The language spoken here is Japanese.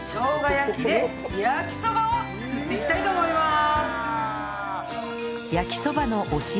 焼きで焼きそばを作っていきたいと思います。